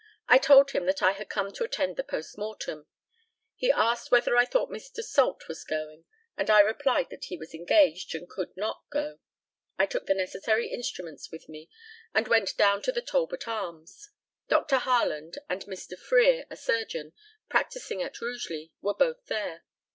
I told him that I had come to attend the post mortem. He asked whether I thought Mr. Salt was going; and I replied that he was engaged, and could not go. I took the necessary instruments with me, and went down to the Talbot Arms. Dr. Harland, and Mr. Frere, a surgeon, practising at Rugeley, were both there.